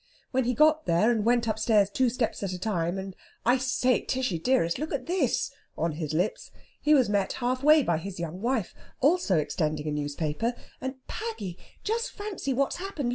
When he got there, and went upstairs two steps at a time, and "I say, Tishy dearest, look at this!" on his lips, he was met half way by his young wife, also extending a newspaper, and "Paggy, just fancy what's happened!